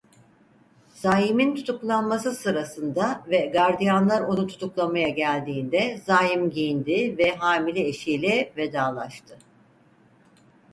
Zaim'in tutuklanması sırasında ve gardiyanlar onu tutuklamaya geldiğinde Zaim giyindi ve hamile eşiyle vedalaştı.